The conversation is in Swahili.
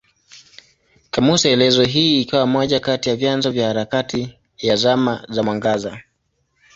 Kamusi elezo hii ikawa moja kati ya vyanzo vya harakati ya Zama za Mwangaza.